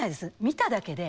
見ただけで。